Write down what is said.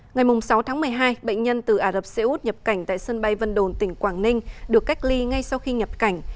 ngày sáu tháng một mươi hai bệnh nhân từ ả rập xê út nhập cảnh tại sân bay vân đồn tỉnh quảng ninh được cách ly ngay sau khi nhập cảnh